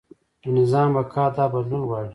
د نظام بقا دا بدلون غواړي.